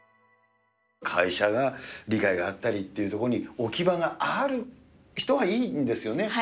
会社が理解があったりっていうところに置き場がある人はいいんですよね。